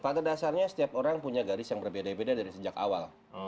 pada dasarnya setiap orang punya garis yang berbeda beda dari sejak awal